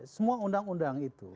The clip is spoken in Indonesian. semua undang undang itu